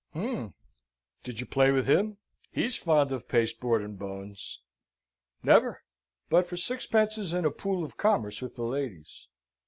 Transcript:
"Hm! Did you play with him? He's fond of pasteboard and bones." "Never, but for sixpences and a pool of commerce with the ladies."